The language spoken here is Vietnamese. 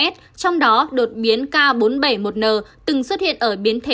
trong đó đột biến k bốn trăm bảy mươi một n từng xuất hiện ở bộ y tế